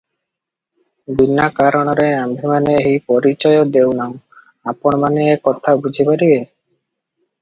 ବିନା କାରଣରେ ଆମ୍ଭେମାନେ ଏହି ପରିଚୟ ଦେଉ ନାହୁଁ, ଆପଣମାନେ ଏ କଥା ବୁଝିପାରିବେ ।